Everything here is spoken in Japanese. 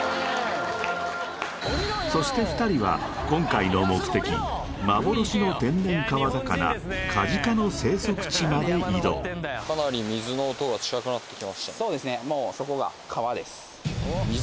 そして２人は今回の目的幻の天然川魚カジカの生息地まで移動そうですね水